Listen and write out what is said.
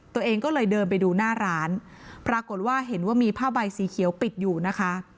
ตัวเองก็เลยเดินไปดูหน้าร้านปรากฏว่าเห็นว่ามีผ้าใบสีเขียวปิดอยู่นะคะ